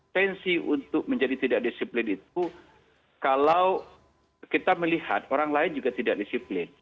tensi untuk menjadi tidak disiplin itu kalau kita melihat orang lain juga tidak disiplin